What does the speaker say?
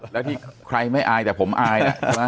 และใครไม่อายแต่ผมอาย